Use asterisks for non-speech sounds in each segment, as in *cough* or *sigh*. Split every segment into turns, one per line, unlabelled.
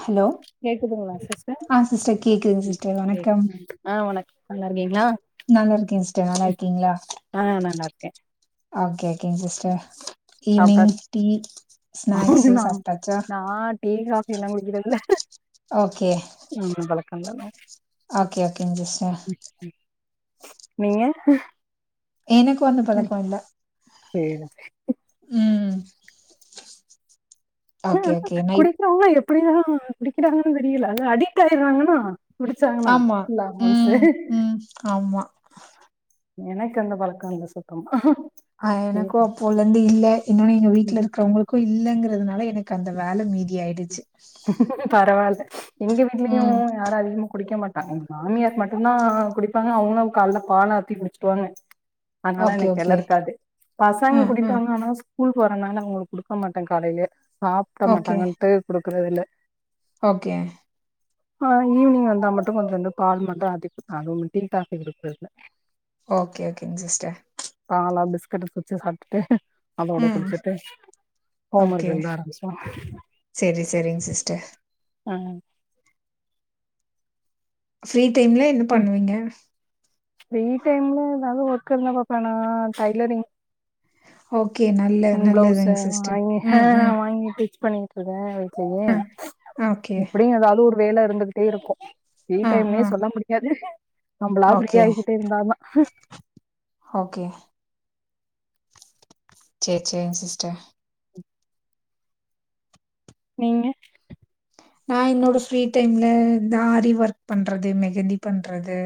Hello
கேக்குதுங்களா sister
ஆ sister கேக்குதுங்க சிஸ்டர் வணக்கம்
ஆ வணக் நல்லா இருக்கீங்களா
நல்லா இருக்கே சிஸ்டர் நல்லா இருக்கீங்ளா
ஆ நல்லா இருக்கே
ஓகே ஓகேங்க சிஸ்டர் ஈவினிங்
சாப்ட்டாச்சு
டீ ஸ்னாக்ஸ்
நா
சாப்டாச்சா
நா டீ காஃபி எல்லா குடிக்கிறது இல்ல
ஓகே
எதுவு பழக்க இல்லங்க
ஓகே ஓகேங்க சிஸ்டர்
ம் நீங்க
எனக்கு வந்து பழக்கோ இல்ல
சேரி சேரி.
ம்
ஆ
ஓகே ஓகே நைட்
குடிக்கிறவங்க எப்டி தா குடிக்கிறாங்கனு தெரியல அது அடிக்ட் ஆயடுறாங்கனா
ஆமா ம் ம் ஆமா
எனக்கு அந்த பழக்க இல்ல சுத்தமா
அ எனக்கோ அப்போல இருந்து இல்ல இன்னொன்னு எங்க வீட்ல இருக்கிறவங்களுக்கு இல்லங்கிறதுனால எனக்கு அந்த வேல மீதி ஆயிடுச்சு
பரவால்ல எங்க வீட்லயு
ம்
யாரு அதிகமா குடிக்க மாட் எங்க மாமியார் மட்டுந்தா குடிப்பாங்க அவங்களு கால்ல பால் ஆத்தி குடிச்சிடுவாங்க அதனால
ஓகே
எனக்கு வெல
ஓகே
இருக்காது பசங்க
ம் ம்
குடிப்பாங்க ஆனா ஸ்கூல் வறனால அவங்களுக்கு குடுக்க மாட்ட காலையிலயே சாப்ட
ஓகே
மாட்டாங்கன்ட்டு குடுக்கறது இல்ல
ஓகே
அ ஈவினிங் வந்தா மட்டு கொஞ்சூண்டு பால் மட்டு ஆத்தி குடுப்ப அதுவு டீ காஃபி குடுக்குறது இல்ல
ஓகே ஓகேங்க சிஸ்டர்
பால பிஸ்கட பிச்சு சாப்டுட்டு அதோட
ம்
குடுச்சுட்டு ஹோம் ஒர்க்
ஓகே
எழுத ஆரம்பிச்சுருவா
சரி சரிங் சிஸ்டர்
அ
ஃப்ரீ டைம்ல என்ன பண்ணுவீங்க
ஃபிரீ டைம்ல ஏதாது ஒர்க் இருந்தா பாப்ப நா டைலரிங்
ஓகே நல்
ம் ப்ளவுஸ வாங்கி அ வாங்கி டிச் பண்ணிட் எத வச்சியு
அ ஓகே.
எப்படியு ஏதாவது ஒரு வேல இருந்துகிட்டே இருக்கு ஃப்ரீ
அ,
டைம்னே
அ.
சொல்ல முடியாது நம்மளா
ஓகே,
ஃப்ரீயா ஆயிக்கிட்டே இருந்தாதா
ஓகே செரி செரிங் சிஸ்டர்
ம் நீங்க
நா என்னோட ஃப்ரீ டைம்ல இந்த ஆரி ஒர்க் பண்றது மெகந்தி பண்றது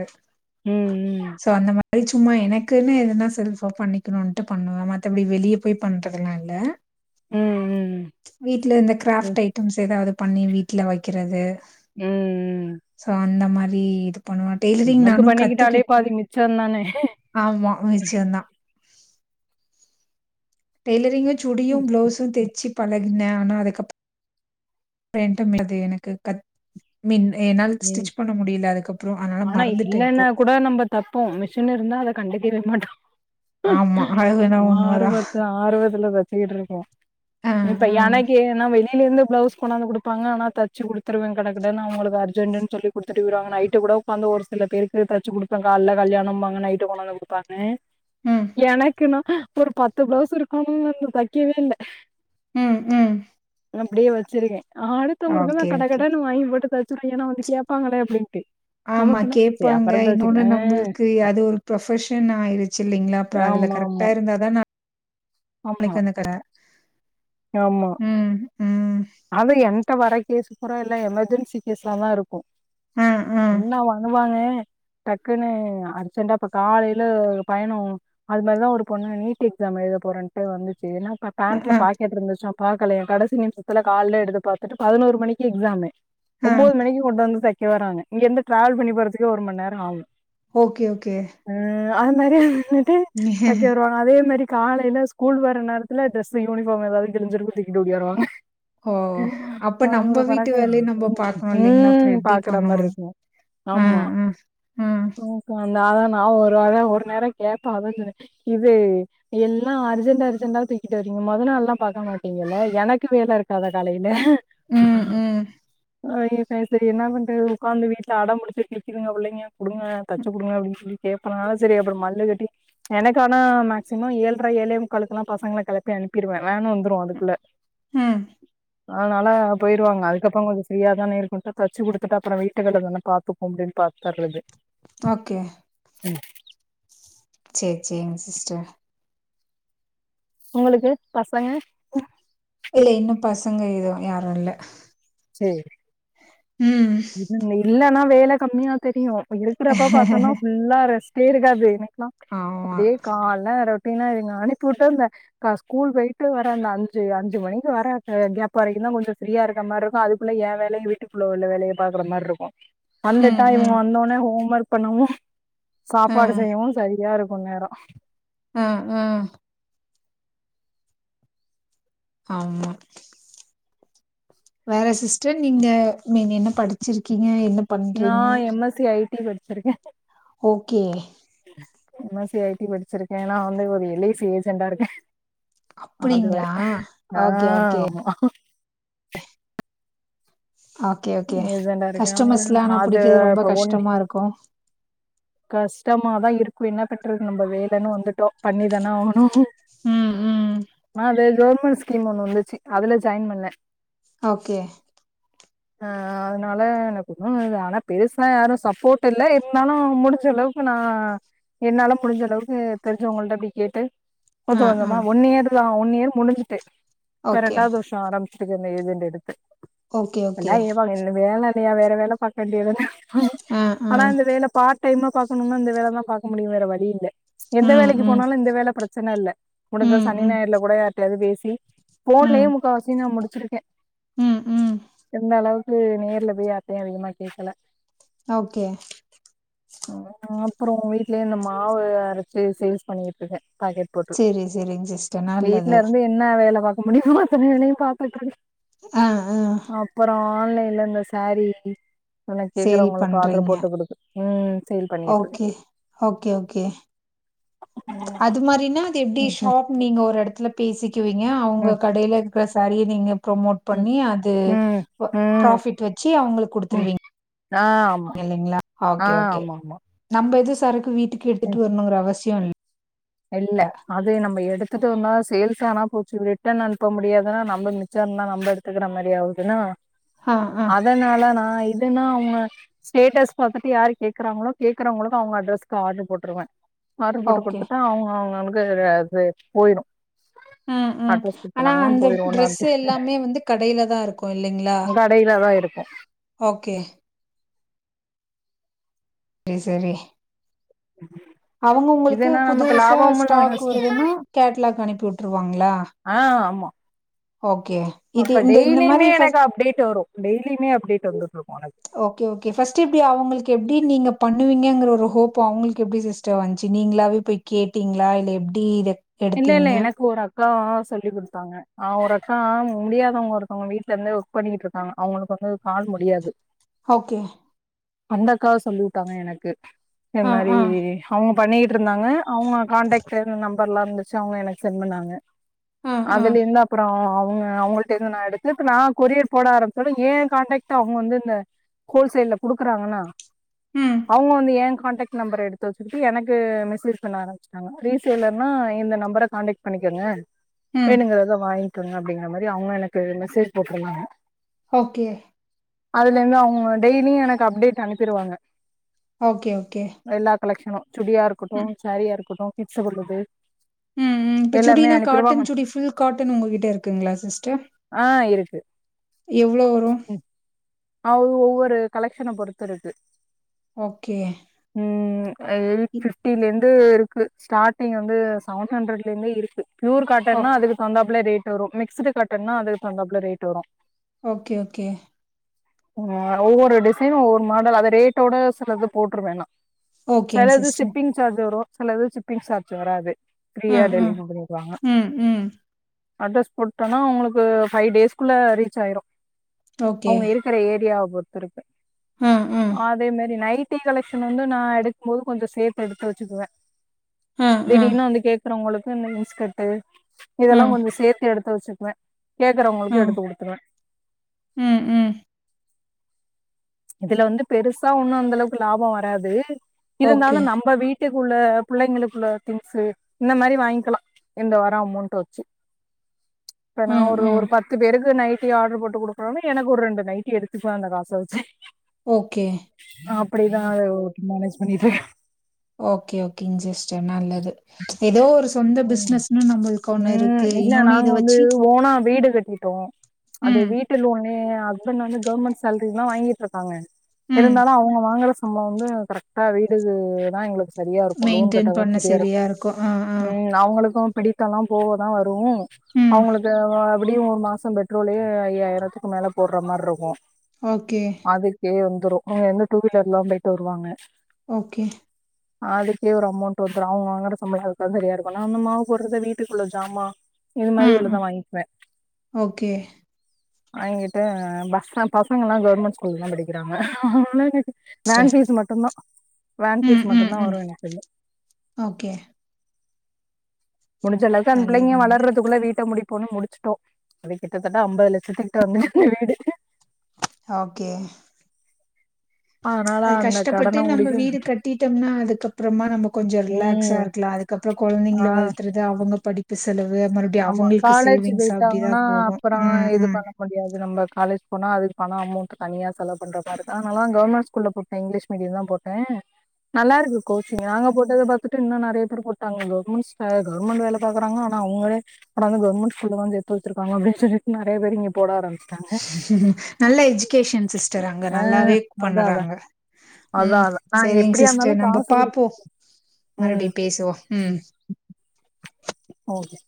ம் ம்
சோ அந்த மாரி சும்மா எனக்கூனு எதுனா செல்ஃபா பண்ணிக்கணூன்ட்டு பண்ணுவே மத்தபடி வெளிய போய் பண்றதுலா இல்ல
ம், ம்,
வீட்ல இந்த
ம், ம்,
கிராஃப்ட் ஐட்டம்ஸ் ஏதாவது பண்ணி வீட்ல வக்கிறது
உம்
சோ அந்த மாரீ இது பண்ணுவ டெய்லரிங் நானு கத்துக்கிட்டு
சொன்னானே
ஆமா மிச்சொந்தா டெய்லரிங்கு சுடியு பிளௌஸு தெச்சி பழகுனே ஆனா அதுக்கப் *unintelligible* எனக்கு கத் மின் என்னால
ம்.
ஸ்டிச் பண்ண முடியல அதுக்கப்றோ அனால மறந்துட்டே இப்போ
வ நம்ப தப்போ மிஷின் இருந்தா அத கண்டுக்கிறே மாட்டோ
ஆமா அது வேணா உண்மதா
ஆர்வத்த ஆர்வத்துல வத்திகிட் இருக்கே
ஆ,
இப்ப
ஆ.
எனக்கு ஏனா வெளியில இருந்து பிளவுஸ் கொணாந்து குடுப்பாங்க ஆனா தச்சு குடுத்துருவே கடகடனு அவங்களுக்கு அர் ஜெண்டூன் சொல்லி குடுத்துட்டு பொய்டுவாங்க நைட்டு கூட உக்காந்து ஒரு சில பேருக்கு தச்சு குடுப்பே கால்ல கல்யாணொம்பாங்க நைட்டு கொண்டாந்து குடுப்பான்னூ
ம்,
எனக்கு நா ஒரு பத்து பிளவுஸ் இருக்கணூன்ருந்து தக்கவே இல்ல
ம் ம்
அப்டியே வெச்சிருக்கே அடுத்தவங்களுக்கெல்லா
ஓகே,
கட
ஓகே.
கடானு வாங்கி போட்டு த ஏனா வந்து கேப்பாங்களே அப்டின்ட்டு
ஆமா
நமக்குன்னா சரி
கேப்பாங்க
அப்பறம்
இன்னொன்னு
தச்சுக்கலா
நம்பள்க்கு அது ஒர் ப்ரொஃபெஷன் ஆயிருச்சில்லைங்ளா அப்ப அதுல
ஆமா
கரெக்டா
ஆமா
இருந்தா தான ஒழைக்கு அந்தக்கட
யாமா
ம் உம்
அது என்ட்ட வர கேஸு பூரா எல்லா எமெர்ஜென்சி கேஸாதா இருக் கு
ஆ, ஆ.
என்ன வண்ணுவாங்க டக்குன்னு அர்ஜெண்டா இப்ப காலையில பயணொ அது மார்தா ஒரு பொண்ணு நீட்க் எக்ஸாம் எழுத போறன்ட்டு வந்துச்சு என்னா க
அ,
பேண்ட்ல பாக்கெட் இருந்துச்சா பாக்கலையா கடைசி நிமிசத்துல கால்ல எடுத்து பாத்துட்டு பதினோரு மணிக்கி எக்ஸாமு
ஆ.
ஒம்போது மணிக்கு கொண்டுவந்து செக்யூர் ஆனெ இங்க இருந்து டிராவல் பண்ணி போறதுக்கே ஒரு மண் நேரொ ஆகூ
ஓகே ஓகே
ஆஹ் அது மாரி வந்துட்டு தைக்க வருவாங்க அதே மாரி காலைலஸ் ஸ்கூல் வர நேரத்துல ட்ரெஸ்ஸ யூனிபார் எதாவது கிழிஞ்சிருக்கு தூக்கிட்டு ஒடியாருவாங்க
ஓ அப்ப நம்ப வீட்டு
பறக்க
வேலைய நம்ம பாக்கணு இல்லைங்களா அப்றொ
ம்
எப்டி
பாக்குற மாரி
பண்ணுவாங்
இருக்கு
ஆ ஆ ஆஹ்
நாதா நா ஒரு வார ஒரு நேரோ கேட்பே அதா சொன்னே இது எல்லா அர்ஜென்டு அர்ஜென்டா தூக்கிட்டு வர்றீங்க மொத நாள்லா பாக்க மாட்டீங்கல்ல எனக்கு வேலருக் காதா காலையில
ம், ம்,
அவிங்க சேர் சேரி என்ன பண்றது உட்காந்து வீட்ல அடம் புடிச்சிட் நிக்கிதுங்க புள்ளைங்க குடுங்க தச்சு குடுங்க அப்டின் சொல்லி ஏப்பனாலு செரி அப்றோ மல்லு கட்டி எனக்கு ஆனா மேக்சிமொ ஏழ்ர ஏழே முக்காலுக்குலா பசங்கள கெளப்பி அனிப்பீருவே வேணு வந்துரூ அதுக்குள்ள
உம்
அதனால பொய்ருவாங்க அதுக்கப்றோ கொஞ்சொ ஃப்ரீயா தானே இருக்கொன்ட்டு தச்சு குடுத்துட்டு அப்றோ வீட்டுக் கெள்ளதுலா பாத்து அப்டின் பாத்தர்ரது
ஓகே
ம்
சேர் செரிங் சிஸ்டர்
உங்களுக்கு பசங்க
இல்ல இன்னு பசங்க ஏது யாரு இல்ல
செரி
ம்.
இல்லன்னா வேல கம்மியா தெரியு இருக்கிறப்ப பார்த்தோனா ஃபுல்லா ரெஸ்டே இருக்காது எனக்லா
ஆமா.
அப்டே கால்ல அப்பின்னா இருங்க அனிப்புட்ட இந்த கா ஸ்கூல் போயிட்டு வர நா அஞ்சு அஞ்சு மணிக்கு வர கேப் வரைக்கு தா கொஞ்ச ஃப்ரீயா இருக்கற மார் இ அதுக்குள்ள என் வேலைய வீட்டுக்குள்ள உள்ள வேலைய பாக்குற மாரி இருக்கு
ம்,
வந்துட்டா இவுங்க
ம்.
வந்தோன ஹோம் ஒர்க் பண்ணவு
அ,
சாப்பாடு செய்யவு சரியா இருக்கு நேரோ
ஆ ஆ ஆமா வேற சிஸ்டர் நீங்க நீங்க என்ன படிச்சிருக்கீங்க என்ன
நா
பண்றீங்க?
எம் எஸ் சி ஐடி படிச்சிருக்க
okay
M S C IT படிச்சிருக்க நா வந்து ஒரு எல் ஐ சி ஏஜென்டா இருக்க அது வேற
அப்படிங்களா?
ஆ
ஓகே, ஓகே.
ஆமா
ஓகே ஓகே
ஏஜென்டா இருக்கே
கஸ்டமர்ஸ்ல்லா
அது
புடிக்கறது ரொம்ப
இப்ப ஒன்
கஷ்டமா இருக்கு
கஷ்டமாதா இருக்கு என்ன பண்றது நம்ம வேலன்னு வந்துட் டோ பண்ணிதான ஆகணு
ம், ம்.
ஆ வேர் கவுர்மெண்ட் ஸ் கீம் ஒண்ணு வந்துச்சு அதுல ஜாயின் பண்ண
ஓகே
ஆ அதனால எனக்கு ஒண்ணு ஆனா பெருசா யாரு சப்போர்ட் இல்ல இருந்தாலு முடிஞச்சளவுக் கு நா என்னால முடிஞ்ச அளவுக்கு தெரிஞ்சவுங்கள்ட்ட அப்டி கேட்டு
அ, அ.
போதுவங்கமா ஒன் இயர் தா ஒன் இயர் முடிஞ்சுட்டு இப்ப
ஓகே.
ரெண்டாவது வருஷம் நா ஆரம்பிச்சிட்டுக்க வந்த ஏஜென்ட் எடுத்து
ஓகே,
எல்லா
ஓகே.
ஏவாங்க இந்த வேல இல்லையா வேற வேல பார்க்க வேண்டியதுதான
அ, அ.
ஆனா இந்த வேல பா பாட் டைம்மா பாக்கணுனா இந்த வேல தா பாக்க முடியு வேற வழி இல்ல
ம்
எந்த வேலைக்கு
ம்
போனாலு இந்த வேல பிரச்சன இல்ல முடிஞ்ச
ம்
சனி
ம்
ஞாயிறுல கூட யார்டையாது பேசி போன்லயே
ம்
முக்கால்வாசி நா முடிச்சிருக்க
ம் ம்
எந்த அளவுக்கு நேர்ல போய் யார்டையு அதிகமா கேட்கல
ஓகே
அப்றோ வீட்லே இந்த மாவு அரச்சு சேல்ஸ் பண்ணிட்டு இருக்க பாக்கெட் போட்டு
செரி செரிங்க சிஸ்டர் நல்லது
வீட்ல இருந்து என்ன வேல பாக்க முடியுமோ அத்தன வேலையு பாத்துட்ருக்க
ஆ ஆ
அப்றோ ஆன்லைன்ல இந்த சாரீ அத
சேல்
கேக்குறவங்களுக்கு ஆர்டரு
பண்றீங்க
போட்டு குடுக் ம் சேல் பண்ணிட்டுருக்க
ஓகே ஓகே ஓகே அது மாரினா அது எப்டி
ம்
ஷாப் நீங்க ஒரு இடத்துல பேசிக்குவீங்க அவுங்க
ம்
கடைல இருக்கிற சாரிய நீங்க ப்ரமோட்
ம்
பண்ணி அது
ம் ம் ம்
ப்ராஃபிட் வச்சி அவுங்களுக்
ம்
குடுத்துருவீங்
ஆ ஆமா
இல்லைங்ளா
ஆ
ஓகே ஓகே
ஆமா ஆமா
நம்ம எது சரக்கு வீட்டுக்கு எடுத்துட்டு
ம்
வரணுங்கற அவசியம் இல்ல
இல்ல அ இது நம்ம எடுத்துட்டோன்னா சேல்ஸ் ஆனா போச்சு ரிட்டன் அனுப்ப முடியாதுன்னா நம்ம மிச்சோ இருந்தா நம்ப எடுத் துக்கற மாரி ஆவுதுன்னா
ஆ ஆ
அதனால நா இதுன்னா அவுங்க ஸ்டேட்டஸ் பாத்துட்டு யாரு கேக்கறாங்களோ கேக்கறவங்களுக்கு அவங்க அட்ரஸ்கு ஆடர் போட்ருவ ஆர்டர் போட்டு
ஓகே
குடுத்துட்டா அவங்க அவங்களுக்கு இதா இது போயிடு
ம் ம் ம் அனா அந்த
போயிரு
ட்ரெஸ்
ஒன்னாது
எல்லாமே வந்து கடையில தா இருக்கு இல்லங்களா
ச *inaudible*
ஓகே செரி செரி
உ *unintelligible*
அவுங்க அவுங்க புதுசா ஸ்டாக்
நஷ்ட
வருதுன்னா கேட்லாக் அனுப்பியூட்டுருவாங்களா
அ ஆமா
ஓகே இது
அப்ப
இந்த இந்த மாரி
டெய்லியுமே
ஃபஸ்
எனக்கு அப்டேட் வரு டெய்லியுமே அப்டேட் வந்துட்ருக்கு எனக்கு
ஓகே ஓகே ஃபஸ்ட் எப்டி அவங்களுக்கு எப்டி நீங்க பண்ணுவீங்கங்கற ஒரு ஹோப் அவங்களுக்கு எப்டி சிஸ் வந்ச்சி நீங்களாவே போய் கேட்டிங்களா இல்ல எப்டி இத
இல்ல இல்ல
எடுத்தீங்க
எனக்கு ஓர் அக் கா சொல்லி் குடுத்தாங்க அ ஒரு அக்கா முடியாதவங்க ஒருத்தவங்க வீட்டுல இருந்தே ஒர்க் பண்ணிக்கிட்ருக்காங்க அவங்களுக்கு வந்து கால் முடியாது
ஓகே
அந்தக்கா சொல்லியூட்டாங்க எனக்கு இத
ஆ
மாரி
ஆ
அவுங்க பண்ணீட்ருந்தாங்க அவுங்க காண்டாக்ட் இருந்த நம்பர்லா இருந்துச்சு அவங்க எனக்கு சென்ட் பண்ணாங்க
ஆ ஆ
அதுலயுந்தா அப்பறோ அவுங்க அவங்கள்ட்ட இருந்து நா எடுத்து இப்ப நா கொரியர் போட ஆரம்பிச்சாலு ஏ கான்டக்ட் அவங்க வந்து இந்த கோல்சேல்ல குடுக்கறாங்கன்னா
ம்
அவங்க வந்து ஏ கான்டக்ட் நம்பர் எடுத்து வச்சுக்கிட்டு எனக்கு மெசேஜ் பண்ண ஆரம்பிச்சாங்க ரீசேலர்னா என்னன் நம்பர கான்டக்ட் பண்ணிக்கங்க
ம்
வேணுங்கரத வாங் கங்க அப்டிங்கற மாரி அவங்க எனக்கு மெசேஜ் போட்டிருந்தாங்க
ஓகே
அதுல இருந்து அவுங்க டெய்லியு எனக்கு அப்டேட் அனுப்பிருவாங்க
ஓகே ஓகே
எல்லா கலெக்ஷனு சுடியா இருக்கட்டு
ம்
சேரியா இருக்கட்டு கிட்ஸ் *unintelligible*
ம் ம் இப்ப சுடினா காட்டன் சுடி ஃபுல் காட்டன் உங்ககிட்ட இருக்குங்ளா சிஸ்டர்
ஆ இருக்கு
எவ்வளோ வரு
அ ஒவ்வொரு கலெக்க்ஷன பொறுத்து இருக்கு
ஓகே
ம் எயிட்
இ-
பிப்டில இருந்து இருக்கு ஸ்டார்ட்டிங் வந்து சவன் ஹண்ட்ரட்ல இருந்தே இருக்கு பியூர்
ஓ
காட்டன் நா அதுக்கு வந்தாப்ல ரேட் வரு மிக்ஸ்டு காட்டன்னா அதுக்கு தகுந்தாப்ல ரேட் வரு
ஓகே ஓகே
அ ஒவ்வொரு டிசைன்னு ஒவ்வொரு மாடல் அத ரேட்டோட சிலது போட்ருவ நா
ஓகேங்க
செலது
சிஸ்டர்
ஷிப்பிங் சார்ஜ் வரு சிலது ஷிப்பிங் சார்ஜ் வராது
ஆ
ஃப்ரீயா
ஆ
டெலிவரி பண்ணிருவாங்க
ம், ம்.
அட்ரஸ் போட்டன்னா உங்களுக்கு பைவ் டேஸ்குள்ள ரீச் ஆயிரு
ஓகே.
அவங்க இருக் இருக்க ஏரியாவ பொறுத்து இருக்கு
அ, அ,
அதே மாரி நைட் ட்டி கலெக்ஷன் வந்து நா எடுக்கும்போது கொஞ்சம் சேத்து எடுத்து வச்சுக்குவேன்
அ, அ,
திடீர்னு வந்து கேக் அப்புறம் அவுங்களுக்கு இந்த இன்ஸ்கர்ட்
அ,
இதெல்லாம் கொஞ்சம் சேத்து எடுத்து வச்சுக்குவேன்
அ,
கேக்குறவுங்களுக்கு எடுத்து குடுத்துருவேன்
ம் ம்
இதுல வந்து பெருசா ஒண்ணும் அந்த அளவுக்கு லாபம் வராது
ஓகே.
இருந்தாலும் நம்ம வீட் வீட்டுக்குள்ள பிள்ளைங்களுக்குள்ள திங்ஸ்ஸு இந்த மாதிரி வாங்கிக்கலாம் இந்த வாரம் அமொண்ட் வச்சு
*unintelligible*
இப்ப நா
ம்,
ஒரு
ம்.
ஒரு பத்து பேருக்கு நைட் ட்டி ஆர்டர் போட்டு குடுக்குறோம்னா எனக்கு ஒரு ரெண்டு நைட்டி எடுத்துக்கலாம் அந்த காச வச்சு
ஓகே
அப்படிதான் ஓட்டி மேனேஜ் பண்ணிகிட்டு இருக்கேன்
ஓகே ஓகேங்க சிஸ்டர் நல்லது ஏதோ ஒரு சொந்த பிஸ்னஸ்ன்னு நம்பளுக்கு
உம் இல்ல நாங்க வந்து ஓனா வீடு கட்டிட்டோம் அது
ம்,
வீட் வீட்டு லோனு ஹஸ்பண்ட் வந்து கவர்மெண்ட் சேல்ரி தான் வாங்கிட்டு இருக்காங்க
ம்.
இருந்தாலும் அவுங்க வாங்குற நம்ம வந்து கரெக்டா வீடு தான் எங்களுக்கு சரியா இருக்கும் லோன்
மெயின்டெயின்
கட்டவும்
பண்ண
சரியா இருக்
இருக்கும். அ, அ,
உம் அவுங்களுக்கும் பிடி த்தம் எல்லாம் போக தான் வரும்
ம்.
அவுங்களுக்கு எப்படியும் ஒரு மாசம் பெட்ரோலே ஐயாயிரத்துக்கு மேல போடுற மாதிரி இருக்கும்
ஓகே
அதுக்கே வந்துரும் இங்க இருந்து டூ வீலர்ல போயிட்டு வருவாங்க
ஓகே
அதுக்கே ஒரு அமொண்ட் வந்துரும் அவுங்க வாங்குற சம்பளம் அதுக்குதா சரியா இருக்கும் நா வந்து மாவு போடுறது வீட்டுக்குள்ள ஜாமா இது மாதிரி
ம்,
உள்ளத
ம்.
வாங்கிக்குவேன்
ஓகே
ஆ எங்ககிட்ட பச பசங்கல்லாம் கவர்மெண்ட் ஸ்கூல் தான் படிக்கிறாங்க அதனால எனக்கு வேன்
சிஸ்டர்.
ஃபீஸ் மட்டுந்தான் வேன் ஃபீஸ்
ம், ம்,
மட்டுந்தான்
ம்.
வரும் எனக்கு
ஓகே
முடிஞ்சளவுக்கு அந்த பிள்ளைங்க
நல்லதுங்க.
வளர்றதுக்குள்ள வீட்ட முடிப்போன்னு முடிச்சு டோ அது கிட்டத்தட்ட ஐம்பது லட்சத்துக்கிட்ட வந்துருக்கு வீடு
ஓகே
அதனால
அது
அந்த
கஷ்டப்பட்டு
கடன
நம்ம
முடிக்க
வீடு கட் கட்டிட்டோம்னா அதுக்கப்புறமா நம்ம கொஞ்சம் ரிலாக்ஸா
ம்
இருக்கலா அதுக்கப்புறம்
ஆ
கொழந்தைங்கள வளர்த்துற து அவுங்க படிப்பு செலவு மறு
ஆமா காலேஜ் போயிட்டாங்கன்னா அப்புறோ
ம்
இது
ம்
பண்ண முடியாது நம்ம காலேஜ் போனா அதுகான அமொண்ட் தனியா செலவு பண்ற மாரி இருக்கு அதனாலதான் கவர்மெண்ட் ஸ்கூல்ல போட் நா இங்கிலீஷ் மீடியம் தான் போட்டேன் நல்லா இருக்கு கோச்சிங் நாங்க போட்டத பாத்துட்டு இன்னும் நிறைய பேர் போட்டாங்க கவர்மெண்ட் கவர்மெண்ட் வேல பாக்குறாங்க ஆனா அவுங்களே கொண்டு வந்து கவர்மெண்ட் ஸ்கூல்லதா சேத்து வச்சிருக்காங்கனு சொல்லிட்டு நிறைய பேரு இங்க போட ஆரம்பிச்
நல்ல எஜிகேஷன் சிஸ்டர் அங்க
ஆ
நல்லாவே
அதா அதா
பண்ணுறாங்க
அதா
ம்
அதா நா
செரிங்க
எப்டியா இருந்தாலு
சிஸ்டர் நம்ம
காசு குடுத்
பாப்போம்
ம்
மறுபடியும் பேசுவோம் உம்
ஓகே